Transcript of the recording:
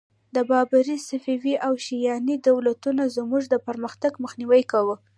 د بابري، صفوي او شیباني دولتونو زموږ د پرمختګ مخنیوی کاوه.